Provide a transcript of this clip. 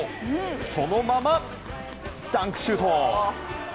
そのまま、ダンクシュート！